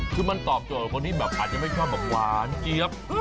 คือมันตอบโจทย์กับคนที่แบบอาจจะไม่ชอบแบบหวานเจี๊ยบ